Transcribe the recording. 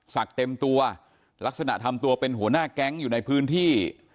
เต็มตัวลักษณะทำตัวเป็นหัวหน้าแก๊งอยู่ในพื้นที่